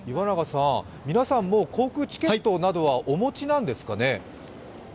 皆さん、もう航空チケットなどはお持ちなんですかね。